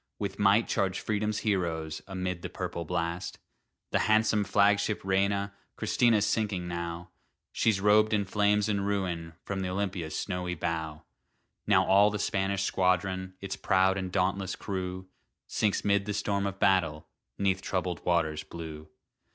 With might charge Freedom's heroes, Amid the purple blast. The handsome flagship Reina Christina's sinking now; She's robed in flames and ruin, From th' Olympia's snowy bow. Now all the Spanish squadron, Its proud and dauntless crew, Sinks 'mid the storm of battle, 'Neath troubled waters blue.